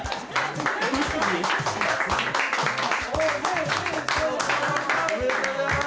おめでとうございます。